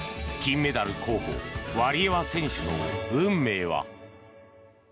金メダル候補ワリエワ選手の運命は。